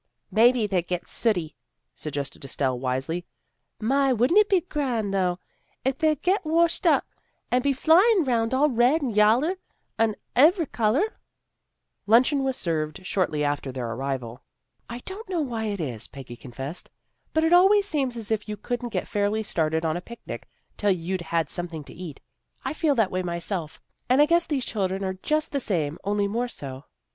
" Maybe they gets sooty," suggested Estelle wisely. " My, wouldn't it be grand, though, if they'd get washed up, and be flying 'round all red and yaller and ev'ry color." Luncheon was served shortly after their LUNCHEON WAS SKKVKI) SHORTLY AFTER THEIR ARRI VAL." AN EVENTFUL PICNIC 321 arrival. " I don't know why it is," Peggy confessed. " But it always seems as if you couldn't get fairly started on a picnic, till you'd had something to eat. I feel that way myself and I guess these children are just the same only more so."